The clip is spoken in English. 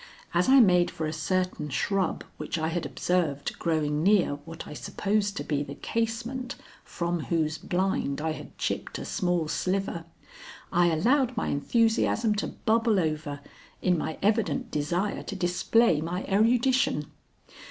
As I made for a certain shrub which I had observed growing near what I supposed to be the casement from whose blind I had chipped a small sliver, I allowed my enthusiasm to bubble over, in my evident desire to display my erudition.